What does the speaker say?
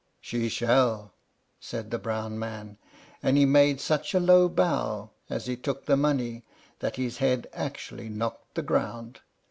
"She shall," said the brown man. And he made such a low bow, as he took the money, that his head actually knocked the ground.